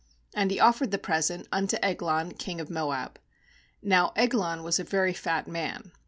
"And he offered the present unto Eglon king of Moab — now Eglon was a very fat man.